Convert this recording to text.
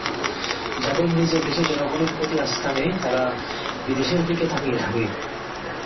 যাদের নিজের দেশের জনগণের প্রতি আস্থা নেই, তারা বিদেশের দিকে তাকিয়ে থাকে।